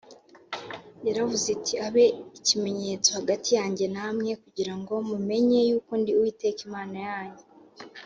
yaravuze iti, “abe ikimenyetso hagati yanjye na mwe, kugira ngo mumenye yuko ndi uwiteka imana yanyu”